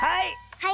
はい！